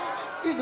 何？